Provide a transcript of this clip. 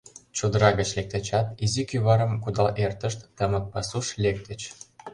Чодыра гыч лектычат, изи кӱварым кудал эртышт, тымык пасуш лектыч.